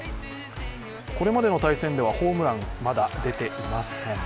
これまでの対戦ではホームラン、まだ出ていません。